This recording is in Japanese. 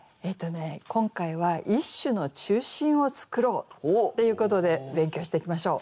今回は「一首の中心を創ろう」っていうことで勉強していきましょう。